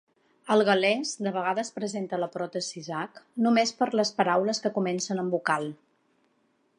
El gal·lès de vegades presenta la "pròtesi-h" només per les paraules que comencen amb vocal.